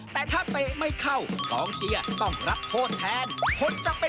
เพราะเข้ากแก้กันเข้าไป